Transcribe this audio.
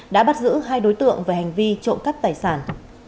đã bắt giữ hai đối tượng về hành vi trộm cắp tài sản